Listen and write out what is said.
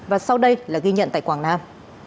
và sau đây là ghi nhận tại quảng nam